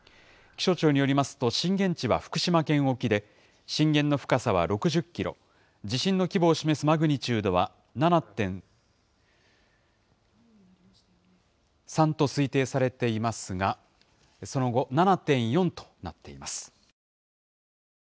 気象庁によりますと、震源地は福島県沖で、震源の深さは６０キロ、地震の規模を示すマグニチュードは７．３と推定されていますが、その後、７．４となっています。